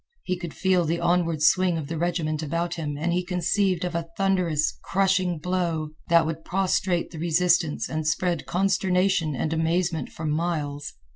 He could feel the onward swing of the regiment about him and he conceived of a thunderous, crushing blow that would prostrate the resistance and spread consternation and amazement for miles.